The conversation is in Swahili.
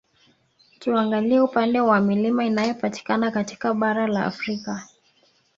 Tuangalie upande wa Milima inayopatikana katika bara la Afrika